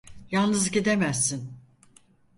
Yalnız gidemezsin.